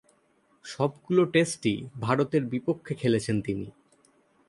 সবগুলো টেস্টই ভারতের বিপক্ষে খেলেছেন তিনি।